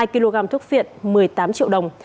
hai kg thuốc phiện một mươi tám triệu đồng